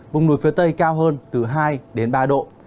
bùng núi phía tây cao hơn từ hai ba độ